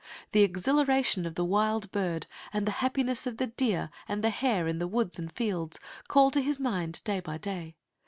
The exhilaration of the wild bird, and the happiness of the deer and the hare in the woods and fields, call to his mind day by day.